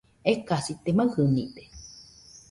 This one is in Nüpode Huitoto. Ekasite, maɨjɨnide